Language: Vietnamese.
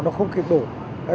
nó không kịp đổi